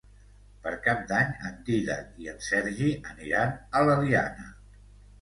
Per Cap d'Any en Dídac i en Sergi aniran a l'Eliana.